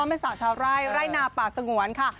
พร้อมแหม่นศาลชาวไล่ไล่หน้าป่าสงวนค่ะ